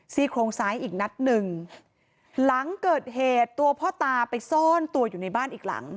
โครงซ้ายอีกนัดหนึ่งหลังเกิดเหตุตัวพ่อตาไปซ่อนตัวอยู่ในบ้านอีกหลัง